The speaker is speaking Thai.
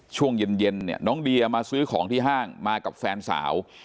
ช่วงเย็นเนี่ยน้องเดียมาซื้อของที่ห้างมากับแฟนสาว